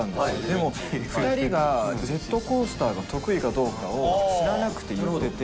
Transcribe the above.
でも２人がジェットコースターを得意かどうかを知らなくて言ってて。